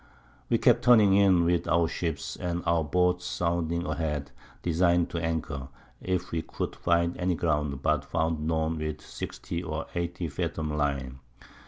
We kept turning in with our Ships, and our Boats sounding a head, designing to anchor, if we could find any Ground, but found none with 60 and 80 Fathom Line.